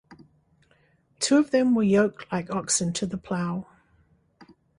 Two of them were yoked like oxen to the plough.